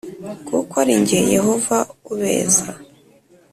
Kuko ari jye yehova ubeza